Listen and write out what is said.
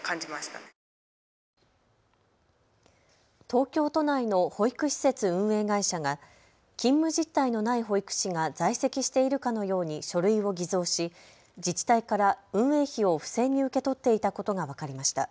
東京都内の保育施設運営会社が勤務実態のない保育士が在籍しているかのように書類を偽造し自治体から運営費を不正に受け取っていたことが分かりました。